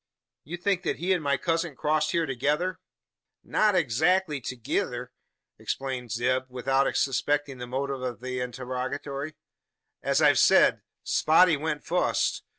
"You think that he and my cousin crossed here together?" "Not adzackly thegither," explained Zeb, without suspecting the motive of the interrogatory. "As I've sayed, Spotty went fust.